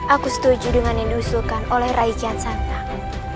aku setuju dengan yang diusulkan oleh rai kian santang